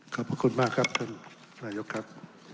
ขอบพระคุณมากครับคุณนายกครับ